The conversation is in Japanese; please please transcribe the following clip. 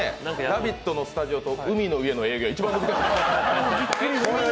「ラヴィット！」のスタジオと海の家の営業は一番難しいんですよ。